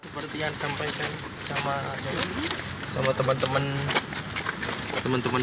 berikut ini adalah pernyataan resmi dari menantu wiranto abdi setiawan